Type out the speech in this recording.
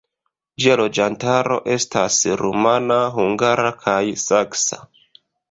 Ĝia loĝantaro estas rumana, hungara kaj saksa.